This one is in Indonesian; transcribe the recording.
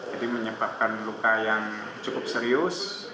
jadi menyebabkan luka yang cukup serius